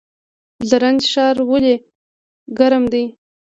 زرنج ښار ولې ګرم دی؟